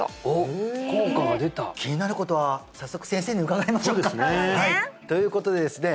え気になることは早速先生に伺いましょうかはいということでですね